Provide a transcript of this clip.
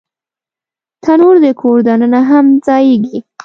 تنور د کور دننه هم ځایېږي